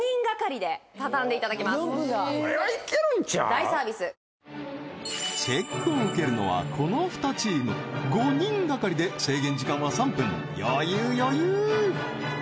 大サービスチェックを受けるのはこの２チーム５人がかりで制限時間は３分余裕余裕